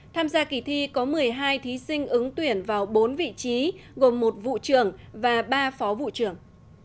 tham gia kỳ thi có một mươi hai thí sinh ứng tuyển vào bốn vị trí gồm một vụ trưởng và ba phó vụ trưởng